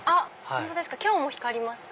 今日も光りますか？